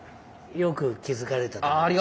よく気付かれたと思います。